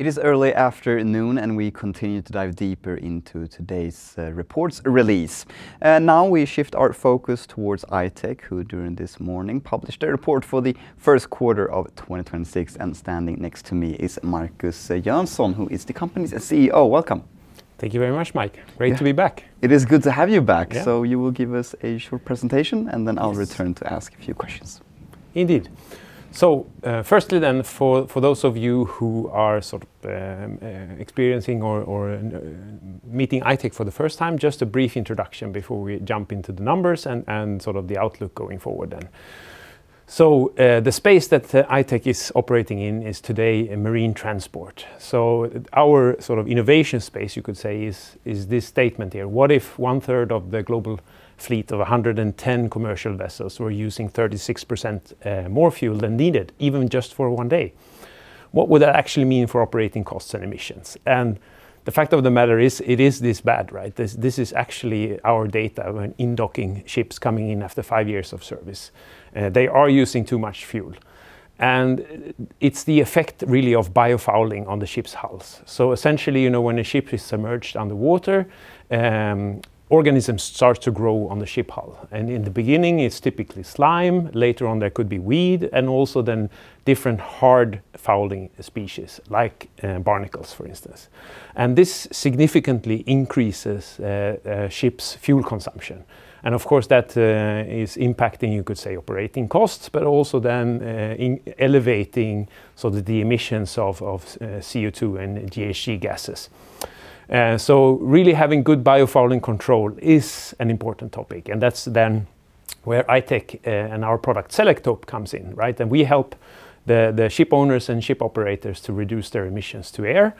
It is early afternoon, we continue to dive deeper into today's report's release. Now we shift our focus towards I-Tech, who during this morning published a report for the first quarter of 2026, and standing next to me is Markus Jönsson, who is the company's CEO. Welcome. Thank you very much, Mike. Yeah. Great to be back. It is good to have you back. Yeah. You will give us a short presentation. Yes I'll return to ask a few questions. Indeed. Firstly, for those of you who are sort of experiencing or meeting I-Tech for the first time, just a brief introduction before we jump into the numbers and sort of the outlook going forward. The space that I-Tech is operating in is today in marine transport, our sort of innovation space, you could say, is this statement here. What if 1/3 of the global fleet of 110 commercial vessels were using 36% more fuel than needed, even just for one day? What would that actually mean for operating costs and emissions? The fact of the matter is, it is this bad, right? This is actually our data when dry docking ships coming in after five years of service. They are using too much fuel, and it's the effect really of biofouling on the ship's hulls. Essentially, you know, when a ship is submerged under water, organisms start to grow on the ship hull, and in the beginning, it's typically slime. Later on, there could be weed and also then different hard fouling species like barnacles for instance. This significantly increases ship's fuel consumption, and of course, that is impacting, you could say, operating costs, but also then in elevating so that the emissions of CO2 and GHG gases. Really having good biofouling control is an important topic, and that's then where I-Tech and our product Selektope comes in, right? We help the ship owners and ship operators to reduce their emissions to air.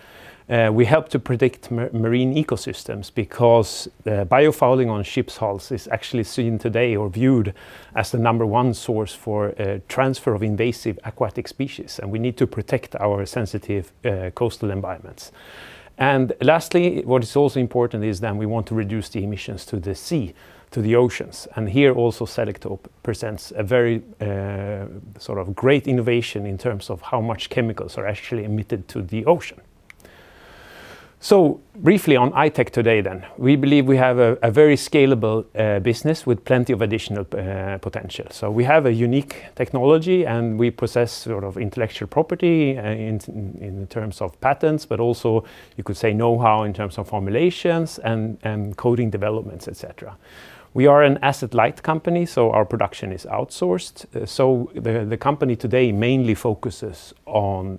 We help to predict marine ecosystems because biofouling on ship's hulls is actually seen today or viewed as the number 1 source for transfer of invasive aquatic species, and we need to protect our sensitive coastal environments. Lastly, what is also important is we want to reduce the emissions to the sea, to the oceans, and here also Selektope presents a very sort of great innovation in terms of how much chemicals are actually emitted to the ocean. Briefly on I-Tech today, we believe we have a very scalable business with plenty of additional potential. We have a unique technology, and we possess sort of intellectual property in terms of patents, but also you could say knowhow in terms of formulations and coding developments, et cetera. We are an asset-light company, our production is outsourced. The company today mainly focuses on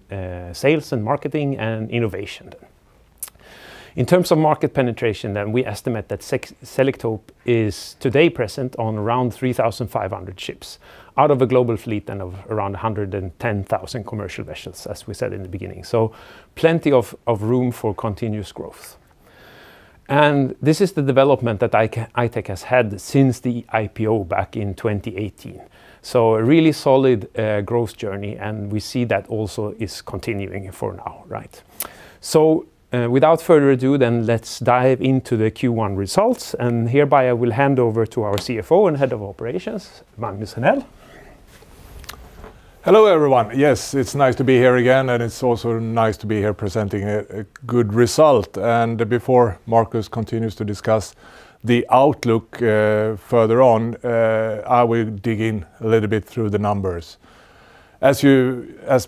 sales and marketing and innovation. In terms of market penetration, then we estimate that Selektope is today present on around 3,500 ships out of a global fleet then of around 110,000 commercial vessels, as we said in the beginning, so plenty of room for continuous growth. This is the development that I-Tech has had since the IPO back in 2018, so a really solid growth journey, and we see that also is continuing for now, right? Without further ado then, let's dive into the Q1 results, and hereby I will hand over to our CFO and head of operations, Magnus Henell. Hello, everyone. Yes, it's nice to be here again, and it's also nice to be here presenting a good result. Before Markus continues to discuss the outlook further on, I will dig in a little bit through the numbers. As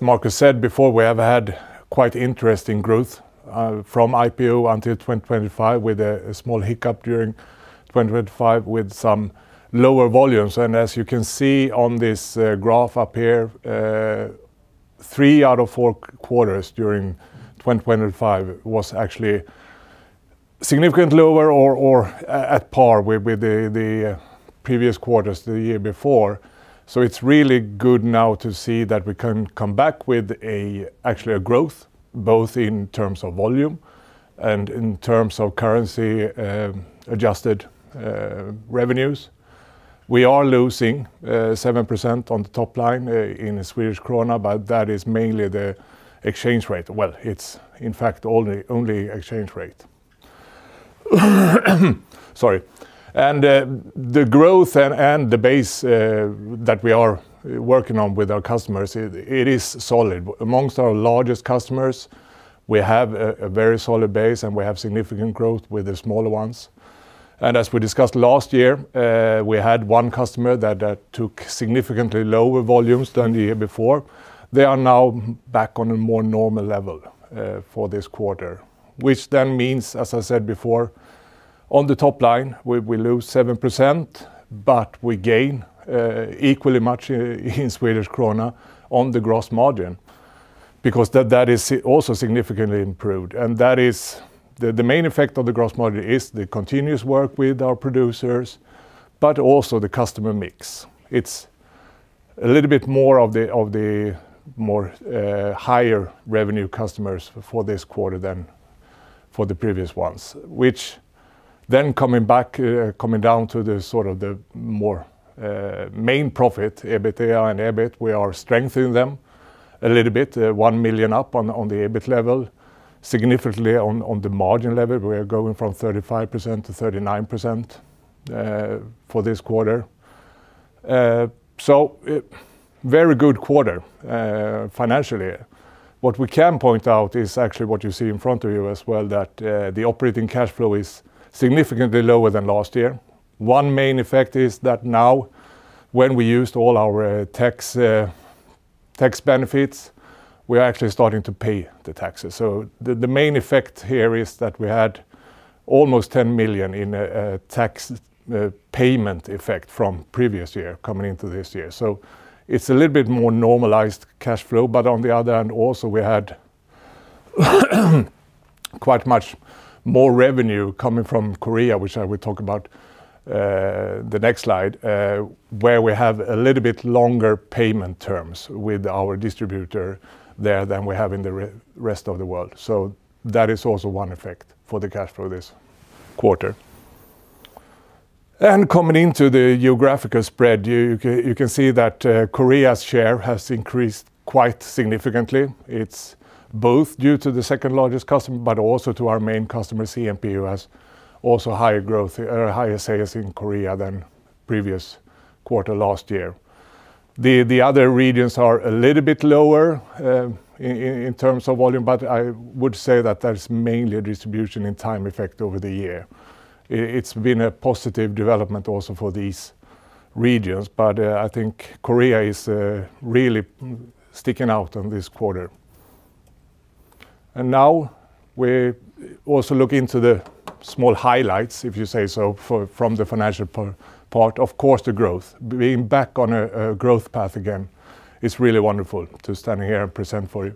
Markus said before, we have had quite interesting growth from IPO until 2025 with a small hiccup during 2025 with some lower volumes. As you can see on this graph up here, three out of four quarters during 2025 was actually significantly lower or at par with the previous quarters the year before. It's really good now to see that we can come back with actually a growth both in terms of volume and in terms of currency adjusted revenues. We are losing 7% on the top line in the Swedish krona, but that is mainly the exchange rate. Well, it's in fact only exchange rate. Sorry. The growth and the base that we are working on with our customers, it is solid. Amongst our largest customers, we have a very solid base, and we have significant growth with the smaller ones. As we discussed last year, we had 1 customer that took significantly lower volumes than the year before. They are now back on a more normal level for this quarter, which then means, as I said before, on the top line we lose 7%, but we gain equally much in Swedish krona on the gross margin because that is also significantly improved. That is the main effect of the gross margin is the continuous work with our producers but also the customer mix. It's a little bit more of the more higher revenue customers for this quarter than for the previous ones, which coming down to the sort of the more main profit, EBITDA and EBIT, we are strengthening them a little bit, 1 million up on the EBIT level. Significantly on the margin level, we are going from 35% to 39% for this quarter. Very good quarter financially. What we can point out is actually what you see in front of you as well, that the operating cash flow is significantly lower than last year. One main effect is that now, when we used all our tax benefits, we're actually starting to pay the taxes. The main effect here is that we had almost 10 million in tax payment effect from previous year coming into this year. It's a little bit more normalized cash flow. On the other end also, we had quite much more revenue coming from Korea, which I will talk about the next slide, where we have a little bit longer payment terms with our distributor there than we have in the rest of the world. That is also one effect for the cash flow this quarter. Coming into the geographical spread, you can see that Korea's share has increased quite significantly. It's both due to the second-largest customer, but also to our main customer, CMP, who has also higher growth or higher sales in Korea than previous quarter last year. The other regions are a little bit lower in terms of volume, but I would say that that's mainly a distribution in time effect over the year. It's been a positive development also for these regions, but I think Korea is really sticking out on this quarter. Now we also look into the small highlights, if you say so, from the financial part. Of course, the growth. Being back on a growth path again is really wonderful to standing here and present for you.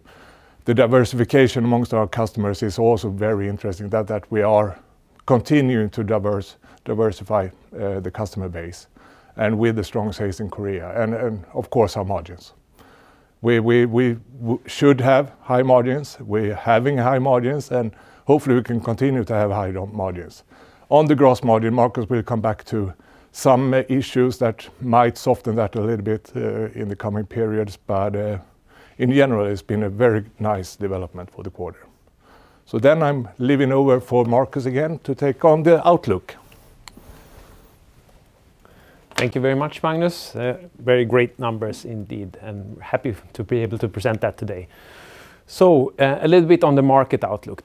The diversification amongst our customers is also very interesting that we are continuing to diversify the customer base, and with the strong sales in Korea and of course, our margins. We should have high margins. We're having high margins, and hopefully we can continue to have high margins. On the gross margin, Markus will come back to some issues that might soften that a little bit in the coming periods. In general, it's been a very nice development for the quarter. I'm leaving over for Markus again to take on the outlook. Thank you very much, Magnus. Very great numbers indeed, and happy to be able to present that today. A little bit on the market outlook.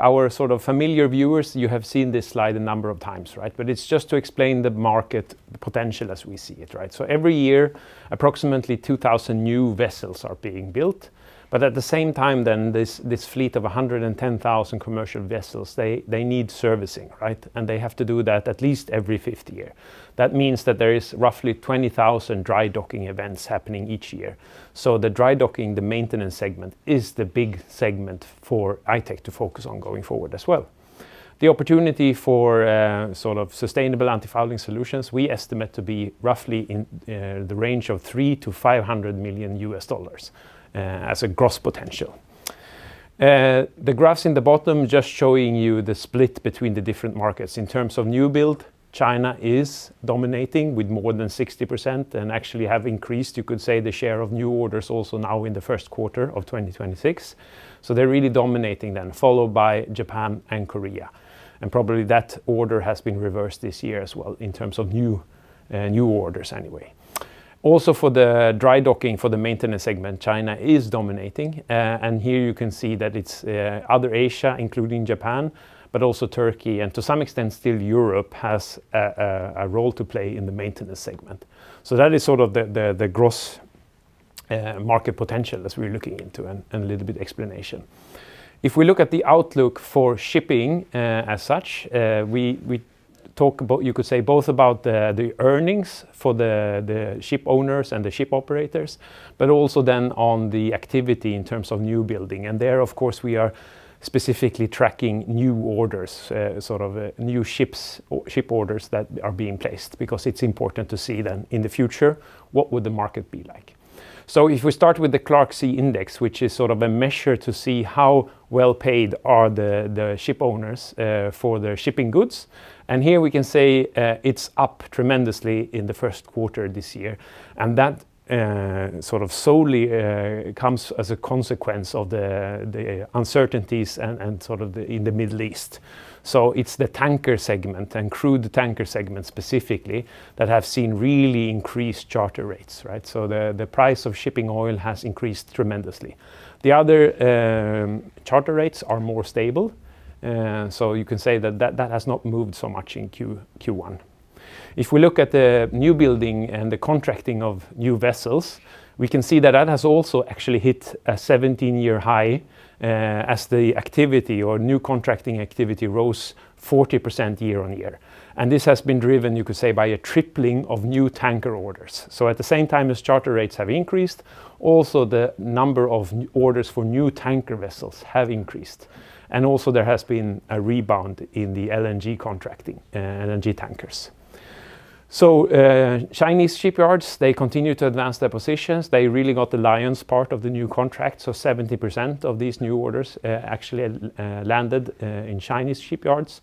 Our sort of familiar viewers, you have seen this slide a number of times, right? It's just to explain the market potential as we see it, right? Every year, approximately 2,000 new vessels are being built. At the same time, this fleet of 110,000 commercial vessels, they need servicing, right? They have to do that at least every 50 year. That means that there is roughly 20,000 dry docking events happening each year. The dry docking, the maintenance segment, is the big segment for I-Tech to focus on going forward as well. The opportunity for, sort of sustainable antifouling solutions, we estimate to be roughly in the range of $3 million-$500 million, as a gross potential. The graphs in the bottom just showing you the split between the different markets. In terms of new build, China is dominating with more than 60% and actually have increased, you could say, the share of new orders also now in the first quarter of 2026. They're really dominating then, followed by Japan and Korea. And probably that order has been reversed this year as well in terms of new orders anyway. Also, for the dry docking for the maintenance segment, China is dominating. Here you can see that it's other Asia, including Japan, but also Turkey and to some extent, still Europe has a role to play in the maintenance segment. That is sort of the gross market potential as we're looking into a little bit explanation. If we look at the outlook for shipping as such, we talk about, you could say, both about the earnings for the ship owners and the ship operators, but also then on the activity in terms of new building. There, of course, we are specifically tracking new orders, sort of, new ships or ship orders that are being placed because it's important to see then in the future, what would the market be like. If we start with the ClarkSea Index, which is sort of a measure to see how well-paid are the ship owners for their shipping goods, and here we can say it's up tremendously in the first quarter this year. That sort of solely comes as a consequence of the uncertainties and sort of the, in the Middle East. It's the tanker segment and crude tanker segment specifically that have seen really increased charter rates, right? The price of shipping oil has increased tremendously. The other charter rates are more stable. You can say that has not moved so much in Q1. If we look at the new building and the contracting of new vessels, we can see that that has also actually hit a 17-year high as the activity or new contracting activity rose 40% year-on-year. This has been driven, you could say, by a tripling of new tanker orders. At the same time as charter rates have increased, also the number of orders for new tanker vessels have increased. Also, there has been a rebound in the LNG contracting, LNG tankers. Chinese shipyards, they continue to advance their positions. They really got the lion's part of the new contract, so 70% of these new orders actually landed in Chinese shipyards.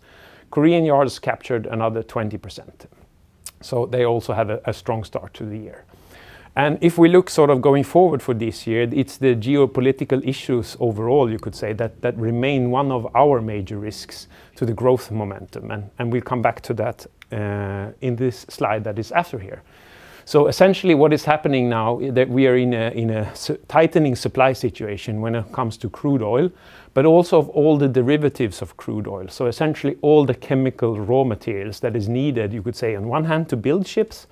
Korean yards captured another 20%. They also have a strong start to the year. If we look sort of going forward for this year, it's the geopolitical issues overall, you could say, that remain one of our major risks to the growth momentum. We'll come back to that in this slide that is after here. Essentially what is happening now, that we are in a tightening supply situation when it comes to crude oil, but also of all the derivatives of crude oil. Essentially all the chemical raw materials that is needed, you could say, on one hand to build ships,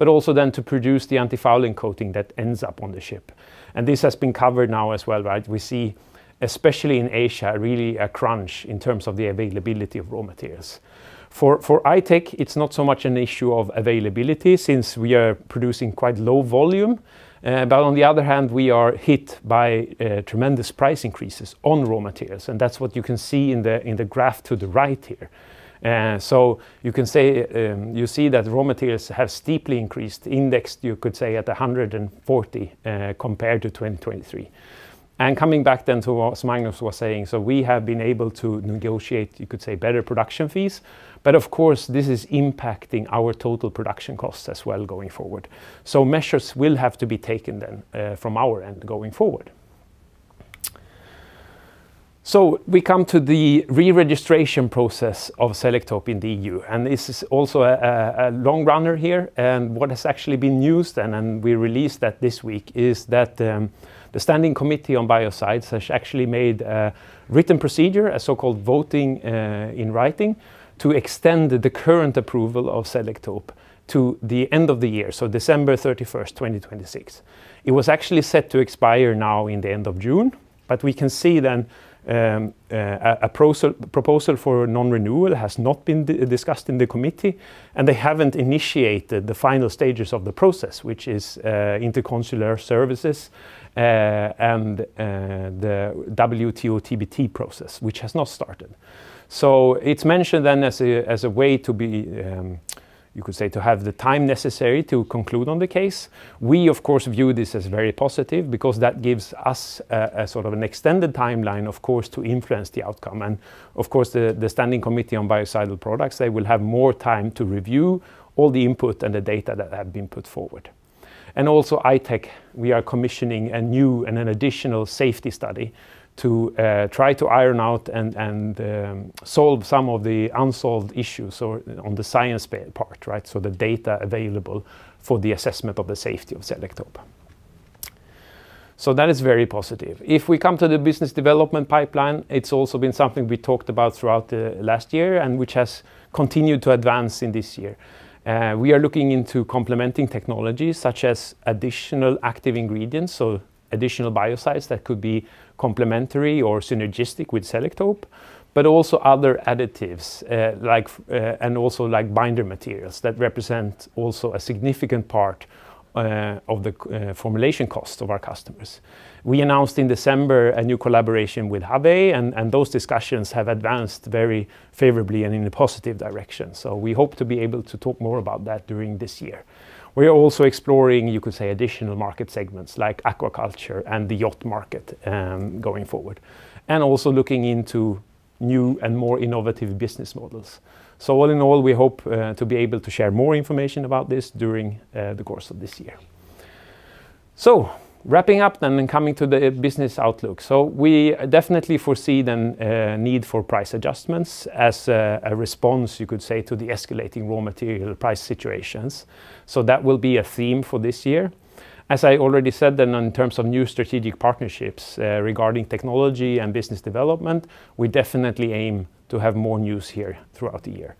but also then to produce the antifouling coating that ends up on the ship. This has been covered now as well, right? We see especially in Asia, really a crunch in terms of the availability of raw materials. For I-Tech, it's not so much an issue of availability since we are producing quite low volume. But on the other hand, we are hit by tremendous price increases on raw materials, and that's what you can see in the graph to the right here. You can say, you see that raw materials have steeply increased, indexed, you could say, at 140, compared to 2023. Coming back then to what Magnus was saying, we have been able to negotiate, you could say, better production fees, but of course, this is impacting our total production costs as well going forward. Measures will have to be taken then from our end going forward. We come to the re-registration process of Selektope in the EU, and this is also a long runner here. What has actually been used, and we released that this week, is that, the Standing Committee on Biocidal Products has actually made a written procedure, a so-called voting in writing, to extend the current approval of Selektope to the end of the year, so December 31st, 2026. It was actually set to expire now in the end of June, we can see then, a proposal for non-renewal has not been discussed in the committee, they haven't initiated the final stages of the process, which is interservice consultation and the WTO TBT process, which has not started. It's mentioned then as a way to be, you could say, to have the time necessary to conclude on the case. We, of course, view this as very positive because that gives us a sort of an extended timeline, of course, to influence the outcome. Of course, the Standing Committee on Biocidal Products, they will have more time to review all the input and the data that have been put forward. Also I-Tech, we are commissioning a new and an additional safety study to try to iron out and solve some of the unsolved issues or on the science part, right? The data available for the assessment of the safety of Selektope. That is very positive. If we come to the business development pipeline, it's also been something we talked about throughout the last year and which has continued to advance in this year. We are looking into complementing technologies such as additional active ingredients, so additional biocides that could be complementary or synergistic with Selektope, but also other additives, like, and also like binder materials that represent also a significant part of the formulation cost of our customers. We announced in December a new collaboration with Habay, and those discussions have advanced very favorably and in a positive direction, so we hope to be able to talk more about that during this year. We are also exploring, you could say, additional market segments like aquaculture and the yacht market, going forward, and also looking into new and more innovative business models. All in all, we hope to be able to share more information about this during the course of this year. Wrapping up and coming to the business outlook. We definitely foresee then a need for price adjustments as a response, you could say, to the escalating raw material price situations, so that will be a theme for this year. As I already said then, in terms of new strategic partnerships, regarding technology and business development, we definitely aim to have more news here throughout the year.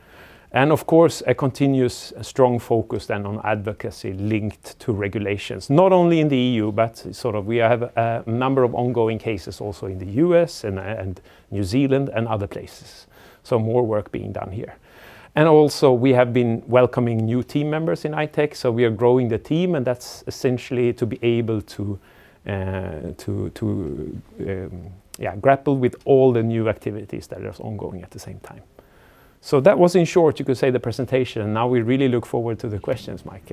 Of course, a continuous strong focus then on advocacy linked to regulations, not only in the EU, but sort of we have a number of ongoing cases also in the U.S. and New Zealand and other places, so more work being done here. Also, we have been welcoming new team members in I-Tech, so we are growing the team, and that's essentially to be able to grapple with all the new activities that are ongoing at the same time. That was, in short, you could say, the presentation. Now we really look forward to the questions, Mike.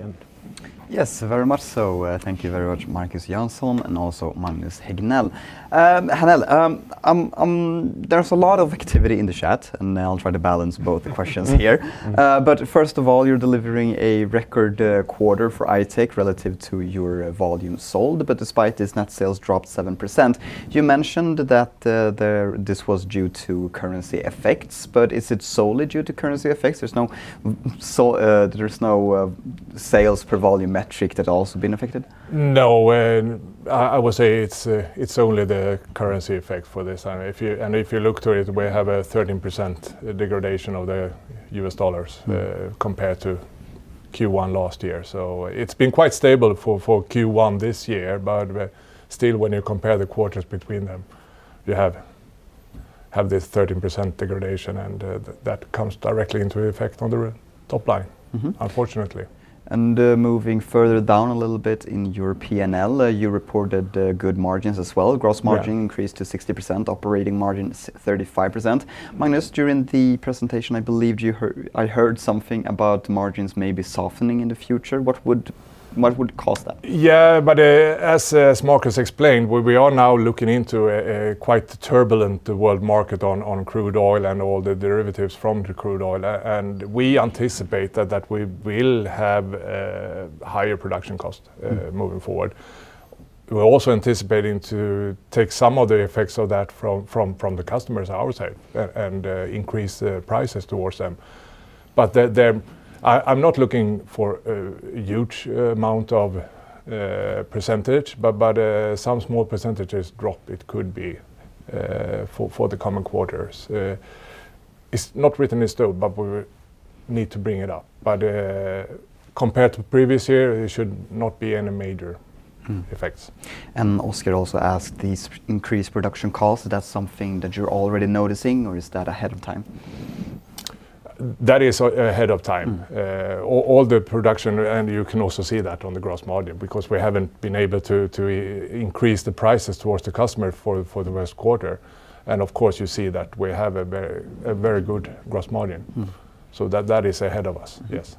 Yes, very much so. Thank you very much, Markus Jönsson, and also Magnus Henell. There's a lot of activity in the chat, and I'll try to balance both the questions here. First of all, you're delivering a record quarter for I-Tech relative to your volume sold. Despite this, net sales dropped 7%. You mentioned that this was due to currency effects, but is it solely due to currency effects? There's no sales per volume metric that also been affected? No. I would say it's only the currency effect for this. I mean, if you, and if you look to it, we have a 13% degradation of the U.S. dollars, compared to Q1 last year. It's been quite stable for Q1 this year, but when you compare the quarters between them, you have this 13% degradation. That comes directly into effect on the top line. unfortunately. Moving further down a little bit in your P&L, you reported, good margins as well. Yeah. Gross margin increased to 60%, operating margin 35%. Magnus, during the presentation, I believe I heard something about margins maybe softening in the future. What would cause that? As Markus explained, we are now looking into a quite turbulent world market on crude oil and all the derivatives from the crude oil, and we anticipate that we will have higher production cost moving forward. We're also anticipating to take some of the effects of that from the customers, I would say, and increase prices towards them. I'm not looking for a huge amount of percentage, but some small % drop it could be for the coming quarters. It's not written in stone, we need to bring it up. Compared to previous year, it should not be any major- effects. Oscar also asked, these increased production costs, is that something that you're already noticing, or is that ahead of time? That is ahead of time. All the production, and you can also see that on the gross margin, because we haven't been able to increase the prices towards the customer for the first quarter. Of course, you see that we have a very good gross margin. That is ahead of us. Yes.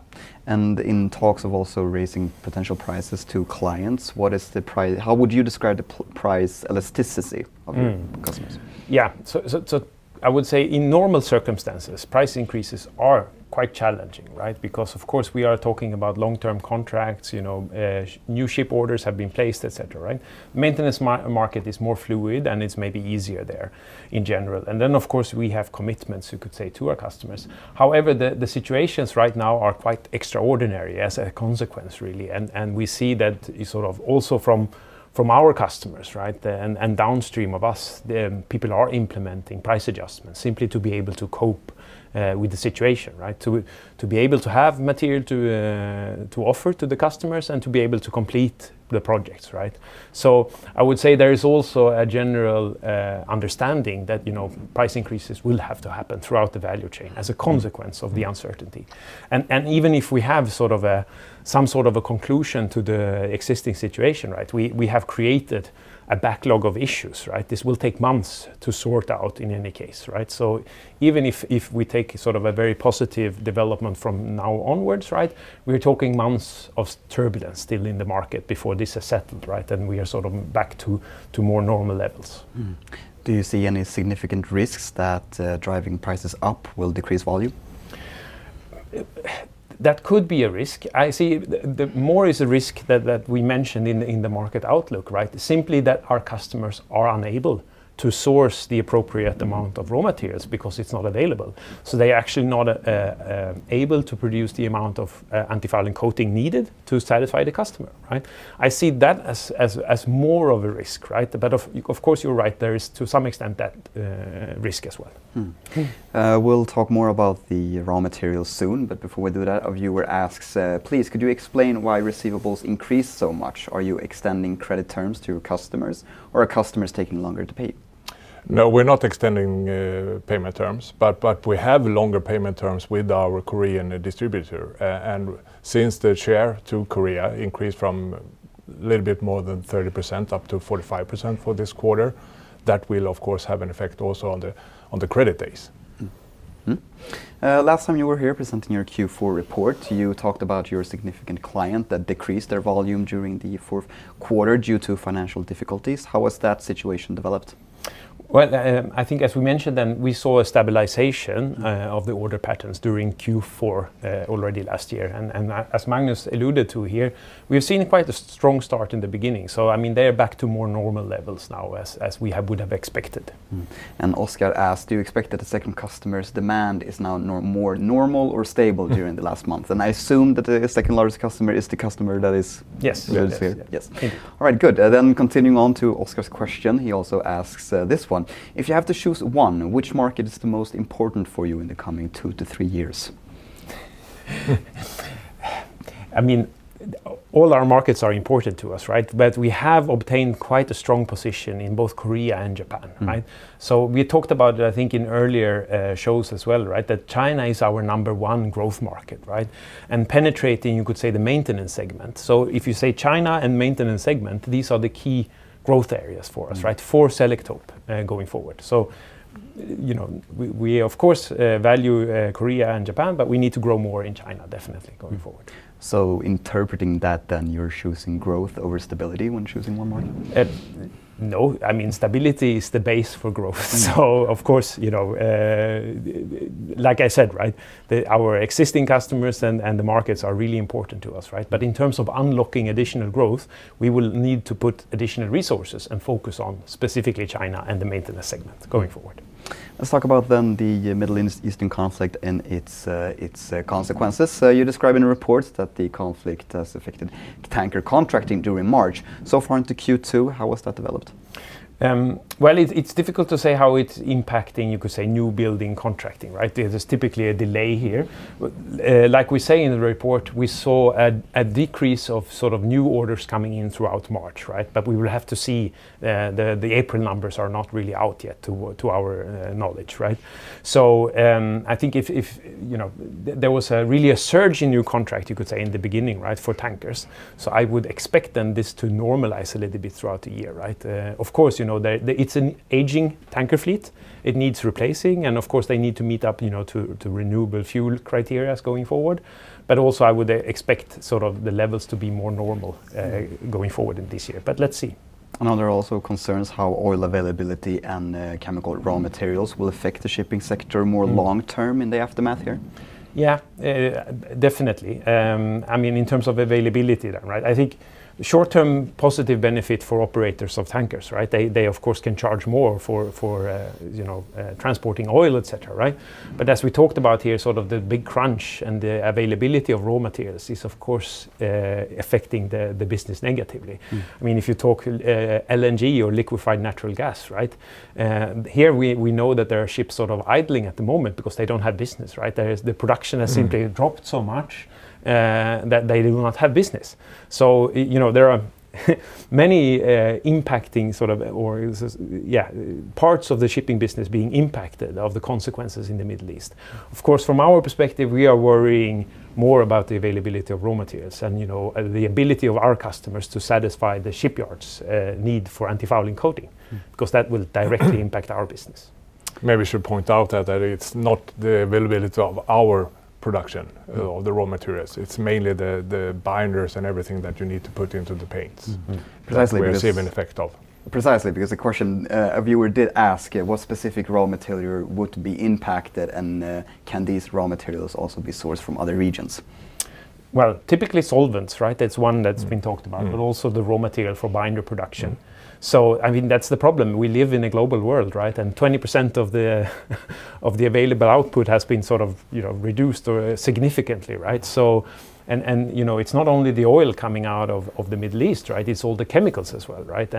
In talks of also raising potential prices to clients, how would you describe the price elasticity? customers? I would say in normal circumstances, price increases are quite challenging. Of course, we are talking about long-term contracts, you know, new ship orders have been placed, et cetera. Maintenance market is more fluid, and it's maybe easier there in general. Of course, we have commitments, you could say, to our customers. However, the situations right now are quite extraordinary as a consequence, really. We see that sort of also from our customers, and downstream of us, the people are implementing price adjustments, simply to be able to cope with the situation. To be able to have material to offer to the customers and to be able to complete the projects. I would say there is also a general understanding that, you know, price increases will have to happen throughout the value chain. as a consequence of the uncertainty. Even if we have some sort of a conclusion to the existing situation, right? We have created a backlog of issues, right? This will take months to sort out in any case, right? Even if we take sort of a very positive development from now onwards, right? We're talking months of turbulence still in the market before this has settled, right? We are sort of back to more normal levels. Do you see any significant risks that driving prices up will decrease volume? That could be a risk. I see the more is a risk that we mentioned in the market outlook, right? Simply that our customers are unable to source the appropriate amount of raw materials because it's not available. They're actually not able to produce the amount of antifouling coating needed to satisfy the customer, right? I see that as more of a risk, right? Of course, you're right, there is to some extent that risk as well. We'll talk more about the raw materials soon, but before we do that, a viewer asks, "Please, could you explain why receivables increased so much? Are you extending credit terms to your customers, or are customers taking longer to pay? No, we're not extending, payment terms, but we have longer payment terms with our Korean distributor. Since the share to Korea increased from little bit more than 30% up to 45% for this quarter, that will of course have an effect also on the credit days. Last time you were here presenting your Q4 report, you talked about your significant client that decreased their volume during the fourth quarter due to financial difficulties. How has that situation developed? Well, I think as we mentioned then, we saw a stabilization of the order patterns during Q4 already last year. As Magnus alluded to here, we have seen quite a strong start in the beginning. I mean, they are back to more normal levels now as we have, would have expected. Oscar asked, "Do you expect that the second customer's demand is now more normal or stable during the last month?" I assume that the second largest customer is the customer. Yes reduced here. Yes. All right, good. Continuing on to Oscar's question, he also asks, this one, "If you have to choose one, which market is the most important for you in the coming two to three years? I mean, all our markets are important to us, right? We have obtained quite a strong position in both Korea and Japan, right? We talked about, I think, in earlier shows as well, right? That China is our number one growth market, right? Penetrating, you could say, the maintenance segment. If you say China and maintenance segment, these are the key growth areas for us, right? For Selektope, going forward. you know, we of course, value Korea and Japan, but we need to grow more in China, definitely going forward. Interpreting that then, you're choosing growth over stability when choosing one market? No. I mean, stability is the base for growth. Of course, you know, like I said. Our existing customers and the markets are really important to us. In terms of unlocking additional growth, we will need to put additional resources and focus on specifically China and the maintenance segment going forward. Let's talk about then the Middle Eastern conflict and its consequences. You describe in a report that the conflict has affected tanker contracting during March. Far into Q2, how has that developed? Well, it's difficult to say how it's impacting, you could say, new building contracting, right? There's typically a delay here. Like we say in the report, we saw a decrease of sort of new orders coming in throughout March, right? We will have to see. The April numbers are not really out yet to our knowledge, right? I think if, you know, there was a really a surge in new contract, you could say, in the beginning, right? For tankers. I would expect this to normalize a little bit throughout the year, right? Of course, you know, the, it's an aging tanker fleet. It needs replacing, of course, they need to meet up, you know, to renewable fuel criteria going forward. Also, I would expect sort of the levels to be more normal going forward in this year. Let's see. Another also concerns how oil availability and chemical raw materials will affect the shipping sector more long-term. In the aftermath here? Definitely. I mean, in terms of availability then, right? I think short-term positive benefit for operators of tankers, right? They of course can charge more for, you know, transporting oil, et cetera, right? As we talked about here, sort of the big crunch and the availability of raw materials is of course affecting the business negatively. I mean, if you talk LNG or liquefied natural gas, right? Here we know that there are ships sort of idling at the moment because they don't have business, right? The production has simply- dropped so much that they do not have business. You know, there are many impacting sort of, or, yeah, parts of the shipping business being impacted of the consequences in the Middle East. Of course, from our perspective, we are worrying more about the availability of raw materials and, you know, the ability of our customers to satisfy the shipyards' need for antifouling coating. Cause that will impact our business. Maybe should point out that it's not the availability of our production of the raw materials. It's mainly the binders and everything that you need to put into the paints. Precisely. that we're seeing an effect of. Precisely, because the question, a viewer did ask, what specific raw material would be impacted, and, can these raw materials also be sourced from other regions? Well, typically solvents, right? That's one that's been talked about. Also the raw material for binder production. I mean, that's the problem. We live in a global world, right? 20% of the available output has been sort of, you know, reduced or significantly, right? You know, it's not only the oil coming out of the Middle East, right? It's all the chemicals as well, right?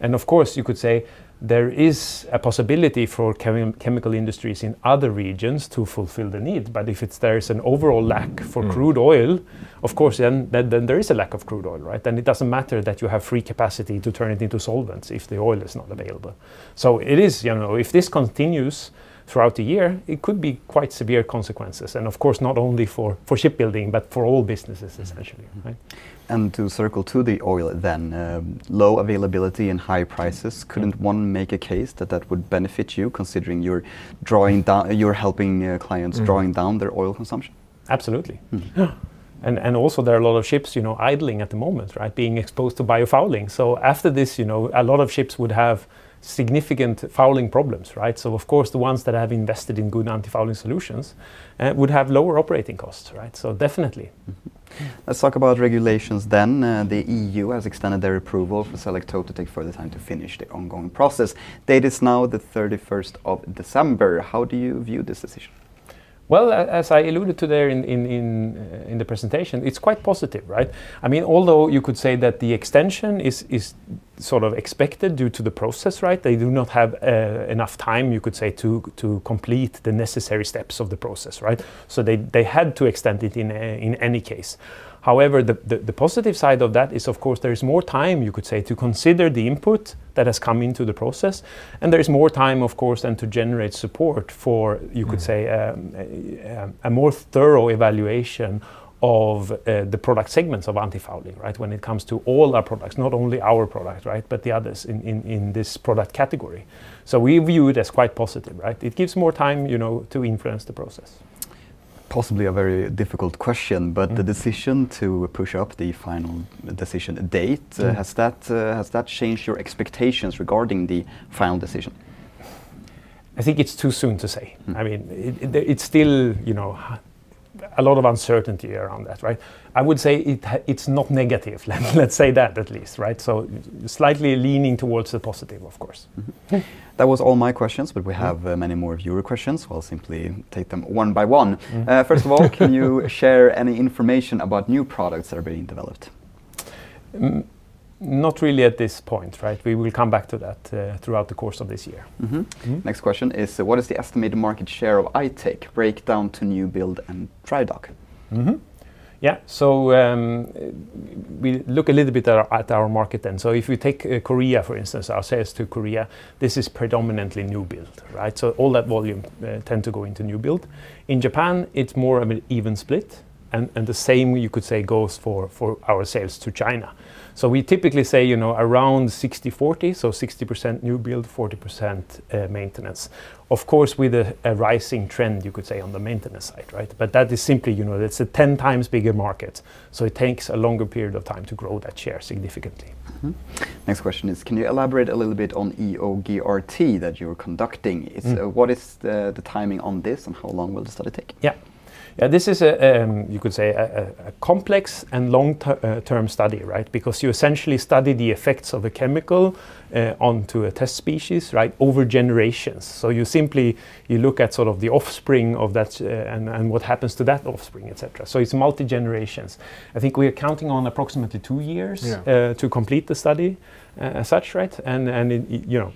Of course you could say there is a possibility for chemical industries in other regions to fulfill the need, but if it's, there is an overall lack for crude oil- Of course, then there is a lack of crude oil, right? It doesn't matter that you have free capacity to turn it into solvents if the oil is not available. It is, you know, if this continues throughout the year, it could be quite severe consequences, and of course not only for shipbuilding, but for all businesses especially. Right? To circle to the oil then, low availability and high prices, couldn't one make a case that that would benefit you considering you're drawing down, you're helping your clients? drawing down their oil consumption? Absolutely. Yeah. Also there are a lot of ships, you know, idling at the moment, right? Being exposed to biofouling. After this, you know, a lot of ships would have significant fouling problems, right? Of course the ones that have invested in good antifouling solutions would have lower operating costs, right? Definitely. Let's talk about regulations then. The EU has extended their approval for Selektope to take further time to finish the ongoing process. Date is now the 31st of December. How do you view this decision? Well, as I alluded to there in the presentation, it's quite positive, right? I mean, although you could say that the extension is sort of expected due to the process, right? They do not have enough time, you could say, to complete the necessary steps of the process, right? They had to extend it in any case. However, the positive side of that is, of course, there is more time, you could say, to consider the input that has come into the process, and there is more time, of course, then to generate support for. a more thorough evaluation of the product segments of antifouling, right? When it comes to all our products, not only our product, right, but the others in this product category. We view it as quite positive, right? It gives more time, you know, to influence the process. Possibly a very difficult question? The decision to push up the final decision date. has that, has that changed your expectations regarding the final decision? I think it's too soon to say. I mean, it's still, you know, a lot of uncertainty around that, right? I would say it's not negative. Let's say that at least, right? Slightly leaning towards the positive, of course. That was all my questions. We have many more viewer questions. We'll simply take them one by one. First of all, can you share any information about new products that are being developed? Not really at this point, right? We will come back to that throughout the course of this year. Next question is, what is the estimated market share of I-Tech break down to new build and dry dock? We look a little bit at our market then. If you take Korea for instance, our sales to Korea, this is predominantly new build, right? All that volume tend to go into new build. In Japan, it's more of an even split. The same you could say goes for our sales to China. We typically say, you know, around 60/40, 60% new build, 40% maintenance. Of course, with a rising trend, you could say, on the maintenance side, right? That is simply, you know, that's a 10 times bigger market, so it takes a longer period of time to grow that share significantly. Mm-hmm. Next question is, can you elaborate a little bit on EOGRT that you're conducting? What is the timing on this, and how long will the study take? Yeah. This is a, you could say, a complex and long-term study, right? Because you essentially study the effects of a chemical onto a test species, right, over generations. You simply look at sort of the offspring of that, and what happens to that offspring, et cetera. It's multi-generations. I think we are counting on approximately two years. Yeah to complete the study as such, right? you know,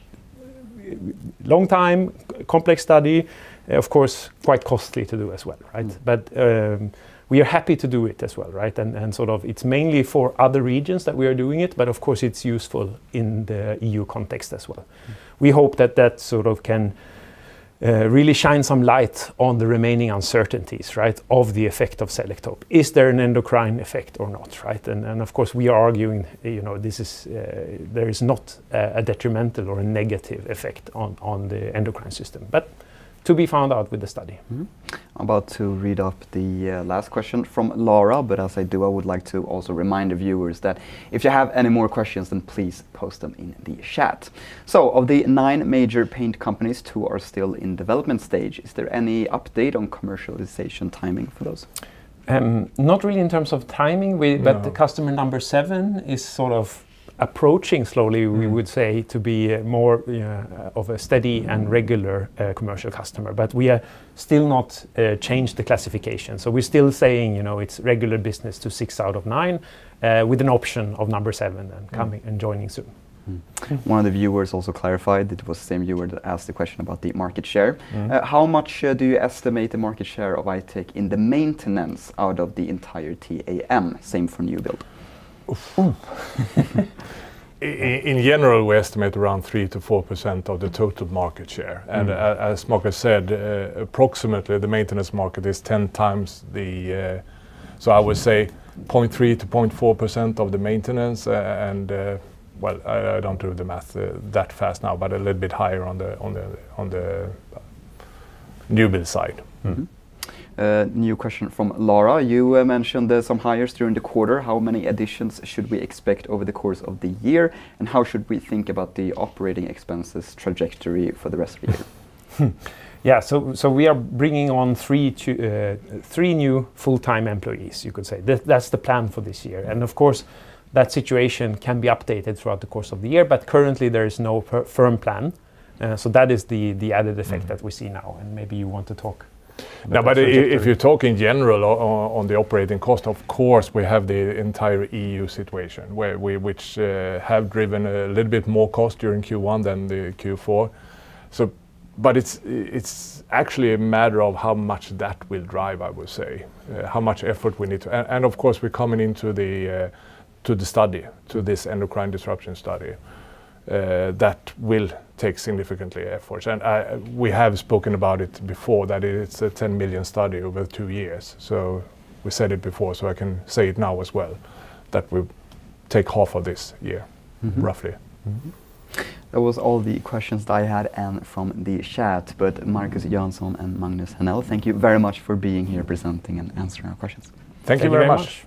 long time, complex study. Of course, quite costly to do as well, right? We are happy to do it as well, right. It's mainly for other regions that we are doing it, but of course it's useful in the EU context as well. We hope that that sort of can really shine some light on the remaining uncertainties, right, of the effect of Selektope. Is there an endocrine effect or not, right? Of course, we are arguing, you know, this is there is not a detrimental or a negative effect on the endocrine system. To be found out with the study. I'm about to read off the last question from Laura, but as I do, I would like to also remind the viewers that if you have any more questions, then please post them in the chat. Of the nine major paint companies who are still in development stage, is there any update on commercialization timing for those? Not really in terms of timing. No The customer number seven is sort of approaching slowly. we would say, to be more of a steady. commercial customer. We are still not, change the classification, so we're still saying, you know, it's regular business to six out of nine, with an option of number seven then coming and joining soon. One of the viewers also clarified, it was the same viewer that asked the question about the market share. How much do you estimate the market share of I-Tech in the maintenance out of the entire TAM? Same for new build. In general, we estimate around 3%-4% of the total market share. As Markus said, approximately, the maintenance market is 10 times the, I would say 0.3% to 0.4% of the maintenance. Well, I don't do the math that fast now, but a little bit higher on the new build side. Mm-hmm. A new question from Laura. You mentioned some hires during the quarter. How many additions should we expect over the course of the year, and how should we think about the operating expenses trajectory for the rest of the year? Yeah, we are bringing on three new full-time employees, you could say. That's the plan for this year. Of course, that situation can be updated throughout the course of the year, but currently there is no firm plan. That is the added effect. that we see now. Maybe you want to talk about the trajectory. No, if you talk in general on the operating cost, of course, we have the entire EU situation where we, which have driven a little bit more cost during Q1 than Q4. It's actually a matter of how much that will drive, I would say. Of course, we're coming into the study, to this endocrine disruption study. That will take significant effort. We have spoken about it before, that it's a 10 million study over two years. We said it before. I can say it now as well, that we'll take half of this year. Roughly. Mm-hmm. That was all the questions that I had and from the chat, but Markus Jönsson and Magnus Henell, thank you very much for being here presenting and answering our questions. Thank you very much.